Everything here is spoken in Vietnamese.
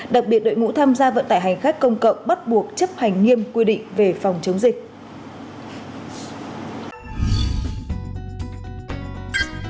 đặc biệt đội ngũ tham gia vận tải hành khách công cộng bắt buộc chấp hành nghiêm quy định về phòng chống dịch